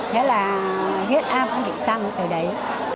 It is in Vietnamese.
thế là huyết áp cũng bị tăng từ đấy